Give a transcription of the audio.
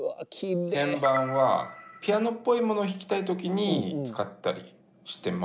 鍵盤はピアノっぽいものを弾きたい時に使ったりしてます。